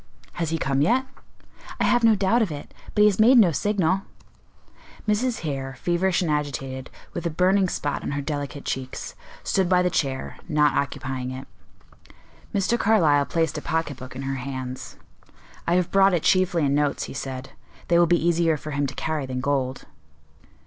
"Has he come yet?" "I have no doubt of it; but he has made no signal." Mrs. Hare, feverish and agitated, with a burning spot on her delicate cheeks, stood by the chair, not occupying it. Mr. Carlyle placed a pocket book in her hands. "I have brought it chiefly in notes," he said: "they will be easier for him to carry than gold."